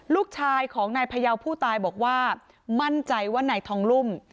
ลูกชายของนายพยาวผู้ตายบอกว่ามั่นใจว่านายทองลุ่ม